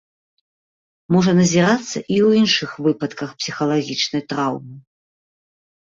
Можа назірацца і ў іншых выпадках псіхалагічнай траўмы.